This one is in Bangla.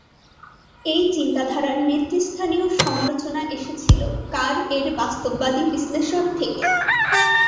এই চিন্তাধারার নেতৃস্থানীয় সমালোচনা এসেছিল কার এর "বাস্তববাদী" বিশ্লেষণ থেকে।